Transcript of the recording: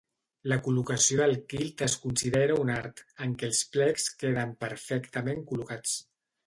La col·locació del kilt es considera un art, en què els plecs queden perfectament col·locats.